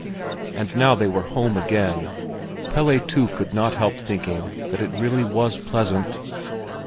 And now they were home again, Pelle too could not help thinking that it really was pleasant.